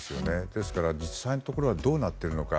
ですから、実際のところはどうなっているのか。